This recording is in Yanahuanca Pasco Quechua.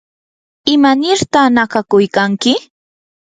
¿imanirta nakakuykanki?